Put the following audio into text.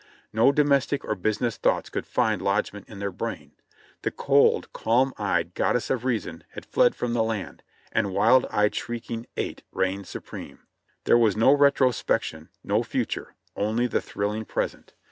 No domestic or business thoughts could find lodgment in their brain ; the cold, calm eyed "Goddess of Reason" had fled from the land, and wild eyed, shrieking "Ate" reigned supreme. There was no retrospection, no future, only the thrill ing present.